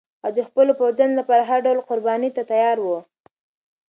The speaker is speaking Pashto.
هغه د خپلو پوځیانو لپاره هر ډول قربانۍ ته تیار و.